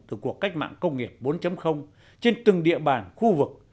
từ cuộc cách mạng công nghiệp bốn trên từng địa bàn khu vực